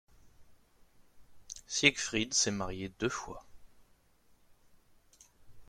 Siegfried s’est marié deux fois.